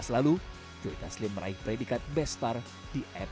dua ribu enam belas lalu joy taslim meraih predikat best star di apple tv